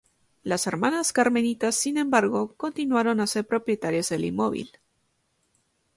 Las Hermanas Carmelitas, sin embargo, continuaron a ser propietarias del inmóvil.